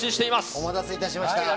お待たせいたしました。